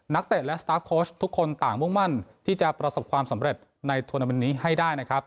เตะและสตาร์ฟโค้ชทุกคนต่างมุ่งมั่นที่จะประสบความสำเร็จในทวนาเมนต์นี้ให้ได้นะครับ